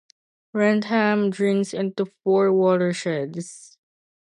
Wrentham drains into four watersheds.